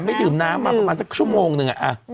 ไม่ดื่มน้ำมาประมาณสักชั่วโมงนึง